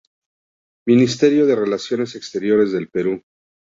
Ministerio de Relaciones Exteriores del Perú